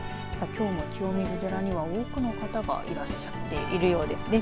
きょうも気温清水寺では多くの方がいらっしゃっているようですね。